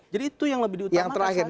jadi itu yang lebih diutamakan saat ini